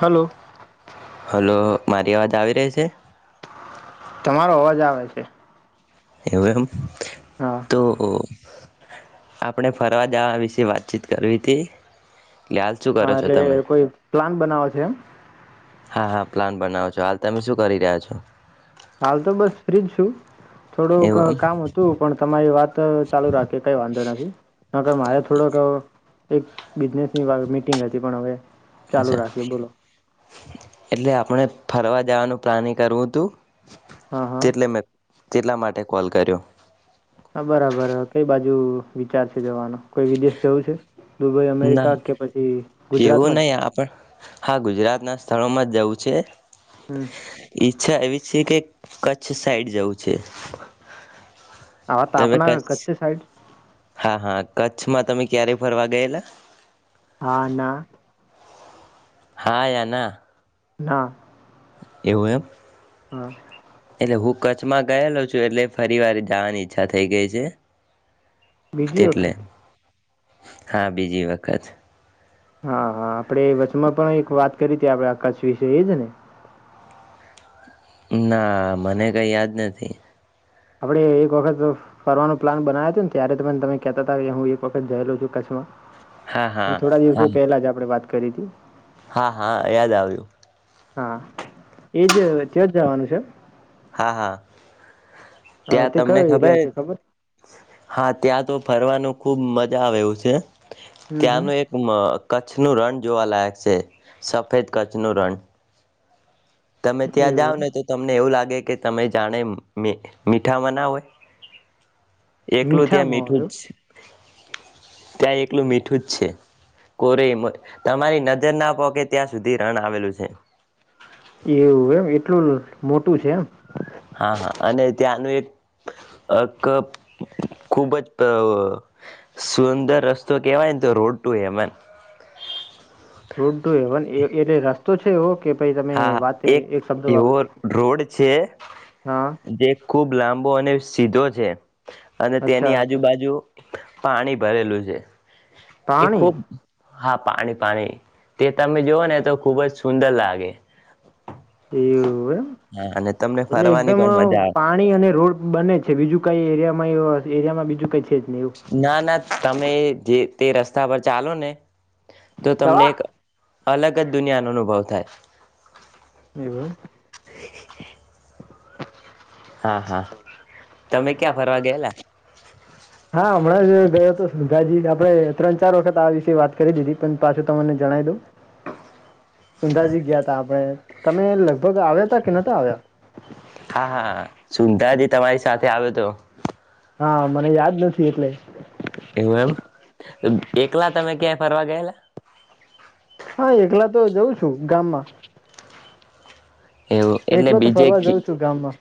Hello hello. મારી અવાજ આવી રહી છે? મારો અવાજ આવે. એવું એમ. હા તો આપણે ફરવા જવા વિશે વાતચીત કરવી હતી. એટલે હાલ શું કરો હા છો એટલે તમે કોઈ પ્લાન બનાવો છે એમ. હા હા પ્લાન બનાવો છો હાલ તમે શું કરી રહ્યા છો? હાલ તો બસ ફ્રીજ છું. થોડુંક એવું કામ હતું પણ તમારી વાત ચાલુ રાખી કઈ વાંધો નથી ન કર મારે થોડોક [unintelligible] બિઝનેસની વા મીટિંગ હતી પણ હવે એમ ચાલુ અચ્છા રાખીએ બોલો. એટલે આપણે ફરવા જવાનું પ્લાનિ કરવું તું. હા હા તેટલે મે તેટલા માટે કોલ કર્યો. હા, બરાબર કઈ બાજ. જુ વિચાર છે જવાનો? કોઈ વિદેશ જવું છે? દુબઈ, ના અમેરિકા કે પછી એવું ગુજરાતમાં જ? નહીં આપણ હા, ગુજરાતના સ્થળોમાં જ જવું છે. હમ ઈચ્છા એવી છે કે કચ્છ સાઈડ જવું છે. હા, ત તમે આપના કચ્છ કચ્છી સાઈડ હા હા કચ્છમાં તમે ક્યારે ફરવા ગયેલા? હા ના. હા યા ના? ના. એવું એમ? હા. હુ કચ્છમાં ગયેલો છું એટલે ફરી વાર જાવાની ઈચ્છા થઈ ગઈ છે. બીજી એટલે વખત? હા, બીજી વખત. હા હા આપડે વચમાં પણ એક વાત કરી તી આપડા કચ્છ વિશે એ જ ને? ના, મને કઈ યાદ નથી. હવડે એક વખત ફરવાનો પ્લાન બનાયો તો ન ત્યારે તમેન-તમે કેતા તા એ હું એક વખત જયેલો છું કચ્છમાં. હા હા પણ થોડા હા દિવસો પહેલા જ આપણે વાત કરી તી. હા હા યાદ આવ્યું. હા, એ જે તેજ જવાનું છે? હા હા. અ, ત્યાં તે તમને કયો એરિયા ખબર? છે હા, ત્યાં તો ફરવાનું ખુબ મજા આવે એવું છે. હમ હમ ત્યાંનું એક મ-કચ્છ છનું રણ જોવાલાયક છે, સફેદ કચ્છનું રણ. તમે ત્યાં એવું જાઓને તો તમને એવું લાગે કે તમે જાણે મી-મીઠામાં ના ઓય? એમ એકલું ત્યાં મીઠામાં મીઠું આવ્યો છ ત્યાં એકલું મીઠું જ છે. કોરે મ તમારી નજર ના પોકે ત્યાં સુધી રણ આવેલું છે. એવું એમ? એટલું મોટું છે એમ? હા હા અને ત્યાંનું એક ખુબ જ સુંદર રસ્તો કેહેવાયને તો રોું એમન રોડડુ એવન એ ર રસ્તા તો છે ઓ હા એક એવો રોડ છે હા જે ખુબ લાંબો બ અને સીધો છે. અને અચ્છા તેની અચ્છા આજુબાજુ પાણી ભરેલું છે. એ પાણી ખૂબ હા પાણી પાણી તે તમે જોઓ ને તો ખુબ જ સુંદર લાગે. [inaudible] એવું હા અને તમને એમ એટલે ફરવાની એકદમ પણ મજા આવે પાણી અને રોડ બને છે બીજું કઈ એરિયા માં એરિયામાં બીજું કઈ છે જ નહી એવું. ના ના તમે જે તે રસ્તા પર ચાલો ને તો તમને દવા એક અલગ જ દુનિયાનોો અનુભવ થાય એવું [inaudible] હા તમે ક્યાં ફરવા ગયેલા હમણાં જ ગયો હતો ગાજી આપે ત્રણ ચાર વખત આવી વાત કરી દીધી પણ પાછ તમને જણાવ દઉં સુંદાજી ગયા તા આપણેે તમે લગભગ આવ્યા તા કે નતા આવ્યા સુંંધાજી તમારી સાથે આવ્યો તો હા મને યાદ નથી એટલે એવું એમ એકલા તમે ક્યાંય ફરવા ગયેલા હા એકલા તો જઉં છું ગામમાં એવું એટલે એકલો તો બીજે ફરવા જઉં છું ગામમાં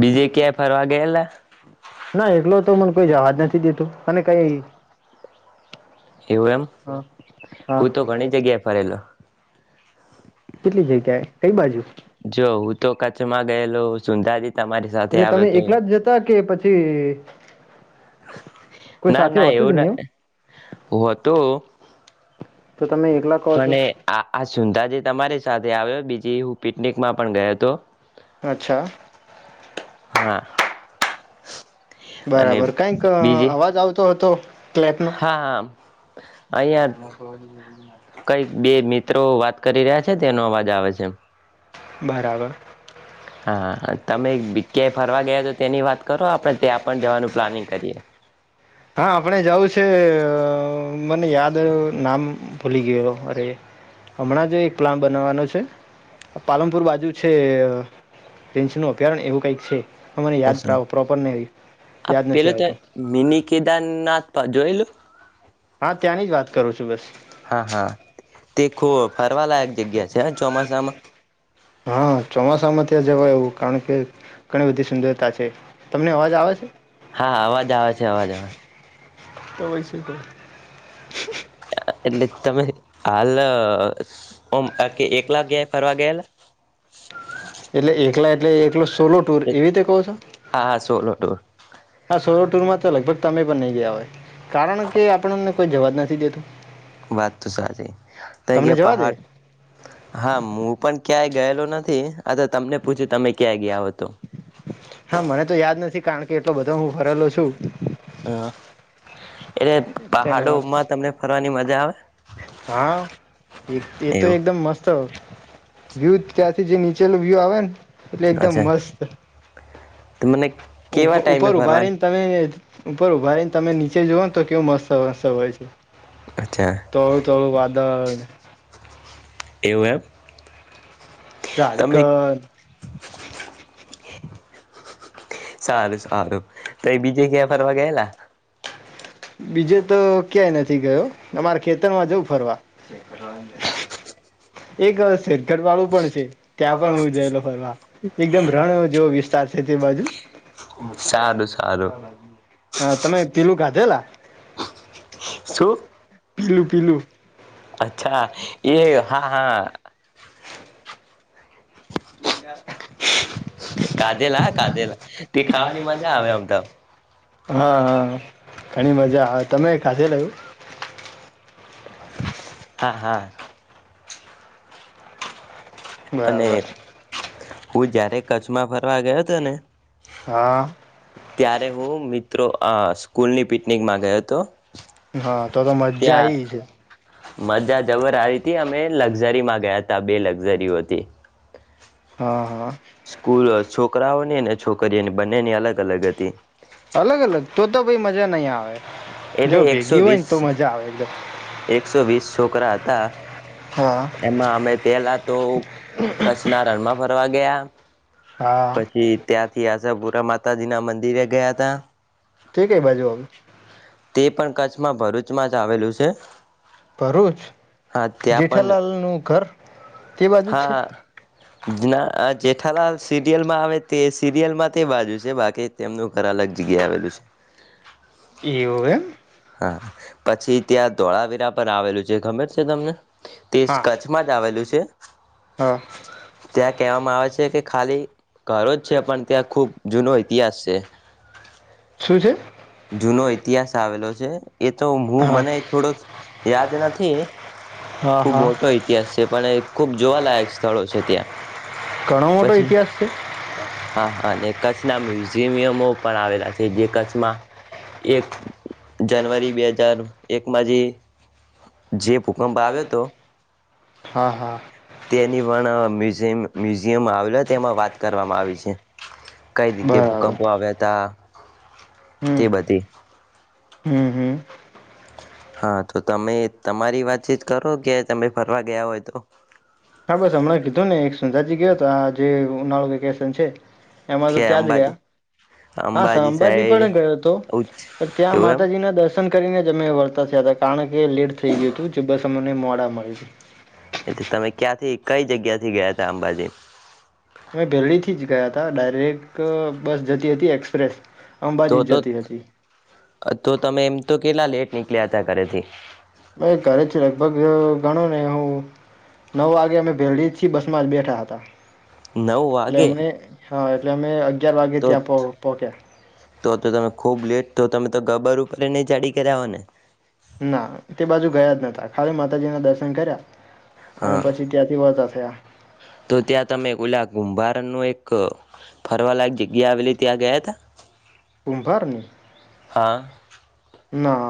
બીજે ક્યાંય ફરવા ગયેલા ના એકલો તો મને કોઈ જવાજ નથી દેતો અને કઈ એવું એમ હા હા હું તો ઘણી જગ્યાએ ફરેલો. ક બાજું જો હું તો કાચ મા ગયેલોું સુંંધર દ એટલે તમે એકલા જ જતા કે પછી છે ના ના એવું ના હતું તો તમે એકલા કહો છો. પણ આ આ સુંંધા જે તમારી સાથે આવે બીજ હું પિકનિક માં પણ ગયો હતો અચ્છા હા અને બરાબર કઈક બીજી અવાજ આવતો હતો ક્લેપનો હા હા અહં કંઈક બે મિત્રો વાત કરી રહ્યા છે તેનો અવાજ આવે છે બરાબર હા તમે ક્યાંય ફરવા ગયા તો તેની વાત કરો આપણે ત્યાં પણ જવાનું પ્લાનિંગ કરીએ હા આપડ જવું છે મને યાદ ર નામ ભૂલી ગયો અરે હમણાં જો એક્લામ બનાવાનો [unintelligible] પાલનપુર બાજુ છે [inaudible] ર ન અભયારણ્ય એવું કઈક છે મને યાદ પ્રોપર આ યાદ નથી આવતું પજોવેલ હા ત્યાંની જ વાત કરું છું બસ હા હા તે ખો ફરવાલાયક જગ્યા છે ચોમાસામાં એ જવાય એવું કારણ કે ઘણી બધી સુંદરતા છે તમને અવાજ આવે છે હા અવાજ આવે છે અવાજ આવે છે તો વૈ શ તો એટલે તમે હાલ ઓમ કે એટલે એકલા ગયા ફરવા ગયેલા? એકલા એટલે એકલો સોલો ટુર એવી રીતે કહો છો. હા હા સોલો ટુર હ સોર ટૂર માત્ર લગભગ તમે પણ નહી ગયા હોય. કારણ કે આપણને કોઈ જવાબ નથી દેતું. વાત તો સાચી ત કે તમને જવા દે પહાડ હા હું પણ ક્યાંય ગયેલો નથી આા તો તમને પૂછ્યું તમે ક્યાં ગયા હો તો હા મને તો યાદ નથી કારણ કે એટલો બધો હું ભરેલો છું હા એટલે તેના માટે પહાડોમાં તમને ફરવાની મજા બ આવે હા એક એ તો એવું એકદમ મસ્ત વ્યૂ ત્યાંથી જે નીચેલ વ્યૂ આવે ને એટલે એકદમ અચ્છા મસ્ત મને કેવા ટાઈમે ઉપર ઉભા ફરવાની રને તમે ઉપર ઉભા રને તમે નીચે જવ ને તો કેવું મસ્ત હોય છે અચ્છા તો એવું એપ ઝારખંડ હ સારું સારું તો એ બીજે ક્યાં ફરવા ગયેલા? બીજે તો ક્યાંય નથી હતી ગયો તમારે ખેતર માં જવું ફરવા એક શેરગર વાળું પણ છે ત્યાં પણ હું જયેલો ફરવા એકદમ રણ જેવો વિસ્તાર છે તે બાજુ સારું સારું હ તમે પીલું કાધેલા શું? પીલું પીલું અચ્છા એ હા. હાા. કાધેલા હા કાધેલા તે ખાવાની મજા આવે આમ તો હા હા ઘણી મજા આવે તમે ખાધલું. [inaudible] હા હા. [inaudible] અને બરાબર. હું જયારે કચ્છમાં ફરવા ગયો હતો ને. હા ત્યારે હું મિત્રો. આ સ્કૂલની પિકનિકમાં ગયો હતો. હા તો તો મજા ત્યાં એ છે. મજા જવર આવી હતી અમે લક્ઝરી માં ગયા ત બે લક્ઝરીઓથી. હા હા. સ્કૂલ છોકરાઓ ને ને. છોકરીઓ અને બંનેની અલગ અલગ હતી. અલગ અલગ તો તો ભાઈ મજા નહી આવે એટલે જો એકસો ભેગી હોય વીસ ને તો મજા આવે એકદમ એકસો વીસ છોકરા હતા હા એમાં અમે પેલા તો કચ્છના રણમાં ફરવા ગયા. હા પછી ત્યાંથી આજ. માતાજી ના મંદિરે ગયા હતા. ઠીક એ બાજુ અ. તે પણ કચ્છમાં ભરૂચમાં જ આવેલું છે. ભરૂચ હા ત્યાં પણ જેઠાલાલ નું ઘર. તે બાજુ છે હા જેઠાલાલ સિરિયલ માં આવે. તે સિરિયલ માં તે બાજુ છે બાકી તેમનું ઘર અલગ જગ્યા આવેલું છે એવું એમ હા પછી ત્યાં ધોળાવીરા, પર આવેલું છે ખબર છે તમને. તે હા કચ્છમાં જ આવેલું છે હા ત્યાં કહેવામાં આવે છે કે ખાલી ઘરો જ છે પણ ત્યાં ખુબ જૂનો ઇતિહાસ છે. શું છે જૂનો ઇતિહાસ આવેલો છે. એ તો હું હા મને થોડો યાદ નથી. હા ખુબ હા મોટો ઇતિહાસ છે પણ ખુબ જોવાલાયક સ્થળો છે ત્યાં ઘણો મોટો પછી ઇતિહાસ છે હા હા અને કછ. કચ્છના મ્યુઝિયમો પણ આવેલા છે જે કચ્છમાં. એક જાનુઆરી બે હજાર એક માજી જે ભૂકં્પ આવે હા હા તેની પણ મ્યુઝિયમ મીઝ જેમ આવેલો એમાં વાત કરવામાં આવી છે કઈ રીતે બરાબર ભૂકંપો આવ્યા હતા તે હમ બધ હમ હમ હા તો તમે તમારી વાતચીત કરો કે તમે ફરવા ગયા હોય તો હા બસ હમણાં કીધું ને એક સંંધાજી ગયો હતો આ જે ઉનાળુ વેકેશન છે એમાં તો કે ત્યાં જ ગયા અંબાજી હા અંબાજી પણ ગયો હતો પણ ત્યાં એવું એમ માતાજી ના દર્શન કરીને વર્તા થયા હતા કારણણે એ લેટ થઇ ગયું હતું જે બસ અમને મો ના મળ એટલે તમે ક્યાંથી કઈ જગ્યા થી ગયા ત અંબાજી અમે વહેલી થી જ ગયા હતા ડાયરેક્ટ બસ જતી હતી એક્સપ્રેસ તો અંબાજી જ તો જતી હતી તો તમે એમ તો કેલા લેટ નીકલ્યા હતા કરથી મેં ઘરે જ લગભગ ગણો ને હું નવ વાગે અમે ભેરડી થી બસ માં જ બેઠા હતા નવવાે ત મે અ તો તો તો તમે ખુબ લેટ તો તમે તો ગબર ઉપર ન ચડી કર્યા હો ને ના તે બાજુ ગયા જ ન ખાલી માતાજી ના દર્શન કર્યા અને હા પછી ત્યાંથી વધ [unintelligible] તો ત્યાં તમે ઓલા ગુંભાર નું એક ફરવાલાક જગ્યા આવેલી ત્યાં ગયા ત. કમભરની ના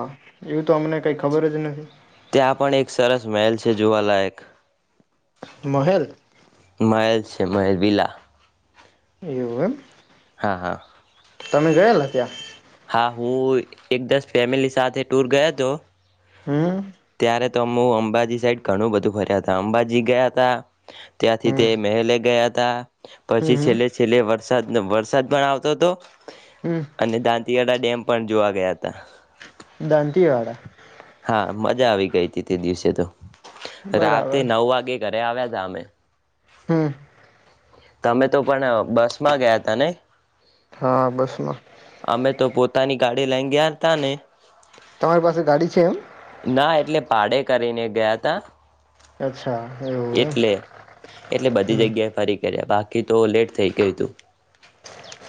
એવું તો અમને કઈ ખબર જ નથી. ત્યાં પણ એક સરસ મહેલ છે જોવાલાયક. મહેલ મહેલ છે મહેલ. બલા. એવું. [inaudible] તમે ગયેલ ત્યાં. હા હું એક દસ ફેમિલી સાથે ટૂર ગયો હતો [unintelligible] ત્યારે તોમું અંબાજી સાઈડ ઘણું બધું ફર્યા હતા અંબાજી ગયા ત ત્યાંથી તે હમ મહેલે ગયા [inaudible] પછી હમ હમ છેલ્લે છેલ્લે વરસાદ વરસાદ પણ આવતો હતો હમ અને દાંતિયાળ ડેમ પણ જોવા ગયા હતા [inaudible] દાંતીવાડા. હા મજા આવી ગઈ હતી તે દિવસે તો. રાતે બરાબર નવ વાગે ઘરે આવ્યા [inaudible] [inaudible] તમે તો પણ બસ માં ગયા તા ને. હા બસ માં. અમે તો પોતાની ગાડી લાંગયાર ત ને તમારી પાસે ગાડી છે એમ. ના એટલે ભાડે કરીને ગયા ત અચ્છા એવું એમ એટલે એટલે બધી હમ જગ્યાએ ફરી કર્યા બાકી ખી તો લેટ થઈ ગયું તું.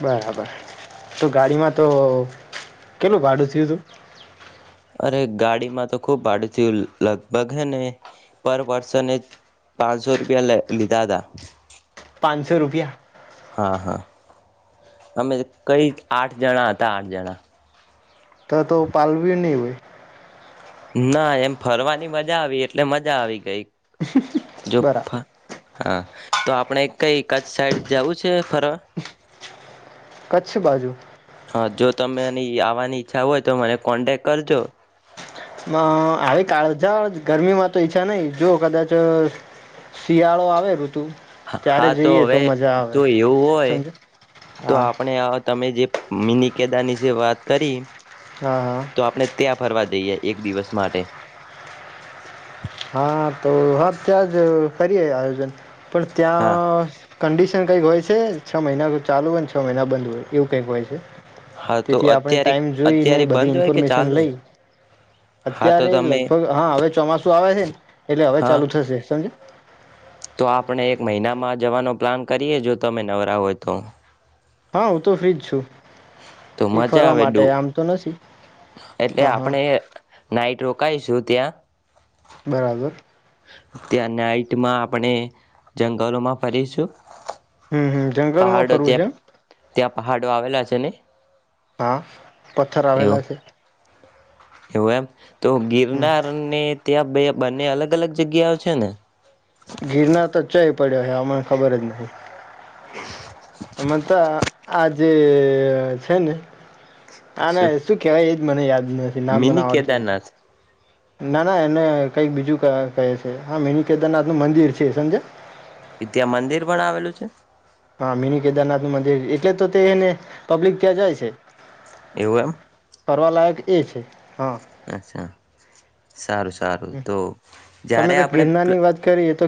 બરાબર તો ગાડીમાં તો કેટલું ભાડું થયું હતું. અરે ગાડીમાં તો ખૂબ ભાડું થયું લગભગ હે ને પર પર્સન પાંચસો રૂપિયા લીધા હતા પાંચસો રૂપિયા હા હા અમે કઈ આઠ જણા હતા આઠ જણા તો તો પલવી નહી હોય ના એમ ફરવાની મજા આવી એટલે મજા આવી ગઈ જો બરાબર હા તો આપણે કઈ કચ્ સાઈડ જવું છે ફર કચ્છ બાજુ તમે એની આવવાની ઈચ્છા હોય તો મને કોન્ટેક કરજો આવી કાળ જ ગરમી માં તો ઈચ્છા નહીિ જો કદાચ શિયાળો આવે ઋતુ ત્યારે હા તો જઈએ હવે મજા આવે તો એવું હોય સમજો તો હા આપણે તમે જે મિની કેદાની વાત કરી હા હા તો આપણે ત્યાં ફરવા દઈએ એક દિવસ માટે હા તો હા ત્યાં જ કરીએ આયોજન પણ હા ત્યાં કંડિશન કઈક હોય છે છ મહિના તો ચાલુ હોયને છ મહિના બંધ હોય એવું કંઈક હોય છે. હા તો તેથી આપણે અત્યારે ટાઈમ જોઈને અત્યારે બધી બંધ હોય કે ઈન્ફોર્મેશન ચાલુ લઈ હા તો અત્યારે તમે લગભગ હા હવે ચોમાસ. એટલે હવે હા ચાલુ થશે સમજ. તો આપણે એક જવાનો પ્લાન કરીએ જો તમે નવરા હોય તો. હા હું તો ફ્ર્રીજ છું. તો એ મજા ફરવા આવે ડુ માટે આમ તો નથી. એટલે હા હા આપણે નાઈટ રો. પકઈશું ત્યાં. બરાબર. ત્યા નાઈટમાં આપણે જંગલોમાં ફરીશું. હમ હમ જંગલમાં પહાડો ફરવું છે ત્યાં એમ ત્યાં પહાડો આવેલા છે ને. [inaudible] પથ્થર આવેલા એવું છે. [inaudible] તો હમ ગિરનારને ત્યાં બે. બંને અલગ અલગ જગ્યાઓ છે ને. ગિરના તો જ જય પડ્યો હ આમને ખબર જ નહી. [inaudible] મત. આ જેે છે ને. હા ના શું કેવાય. મને યાદ. નામ મને મિની આવડત કેદારનાથ ના ના એને. કઈક બીજું કહે છે હા મેની કેદારનાથ નું મંદિર છે સમજે. ત્યાં મંદિર પણ આવેલું છે. હા મિની કેદારનાથ નું મંદિર એટલે તો તે ને. પબ્લિક ત્યાં જાય છે. એવું એમ કરવા લાયક એ છે. હા અચ્છા સારું સારું તો તમે જ્યારે તો આપણે. ગિરનારની વાત કરી એ તો